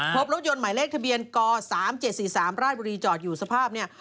พบรถยนต์หมายเลขทะเบียนก๓๗๔๓ราชบุรีจอดอยู่สภาพเนี่ย